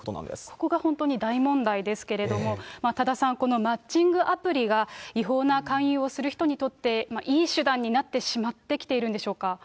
ここが本当に大問題ですけれども、多田さん、このマッチングアプリが、違法な勧誘をする人にとって、いい手段になってしまってきているんでしょうか。